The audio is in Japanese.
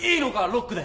ロックで！